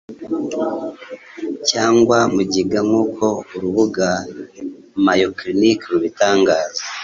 cyangwa mugiga nkuko urubuga mayoclinic rubitangaza